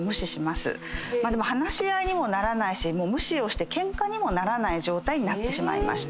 でも話し合いにもならないし無視をしてケンカにもならない状態になってしまいました。